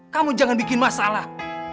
kamu jangan bikin masalah